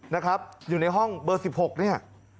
นะครับอยู่ในห้องเบอร์๑๖เนี่ย